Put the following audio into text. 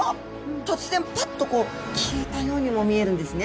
突然パッとこう消えたようにも見えるんですね。